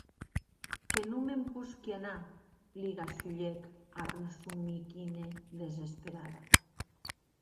Que non me’n posqui anar, li gasulhèc a Rasumikhine, desesperada.